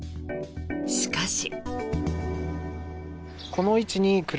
しかし。